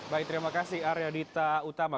baik terima kasih arya dita utama